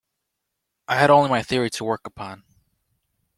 I had only my theory to work upon.